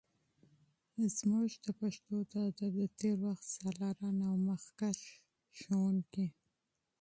زمونږ د پښتو د ادب د تیر وخت سالاران او مخکښ استادان